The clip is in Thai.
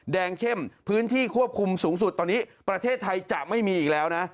เข้มพื้นที่ควบคุมสูงสุดตอนนี้ประเทศไทยจะไม่มีอีกแล้วนะ